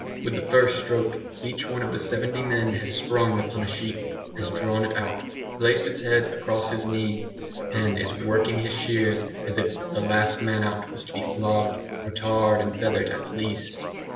With the first stroke each one of the seventy men has sprung upon a sheep has drawn it out placed its head across his knee and is working his shears as if the "last man out" was to be flogged, or tarred and feathered at the least.